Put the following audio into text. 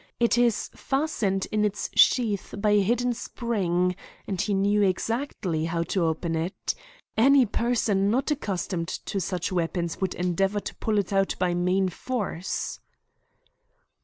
It is fastened in its sheath by a hidden spring, and he knew exactly how to open it. Any person not accustomed to such weapons would endeavour to pull it out by main force."